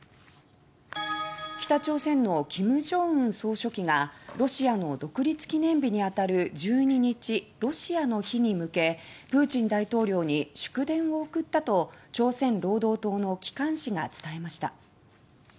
北朝鮮の金正恩総書記がロシアの独立記念日にあたる１２日「ロシアの日」に向けプーチン大統領に祝電を送ったと朝鮮労働党の機関紙が伝えました。